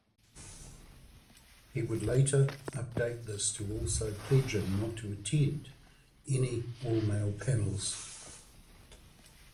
He would later update this to also pledging not to attend any all-male panels.